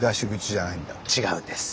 違うんです。